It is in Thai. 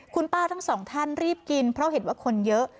คุณป้าทั้งสองท่านรีบกินเพราะเห็นว่าคนเยอะ